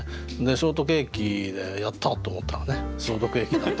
ショートケーキで「やった！」と思ったらね消毒液だった。